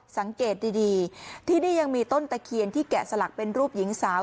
สังเกตดีที่นี่ยังมีต้นตะเคียนที่แกะสลักเป็นรูปหญิงสาว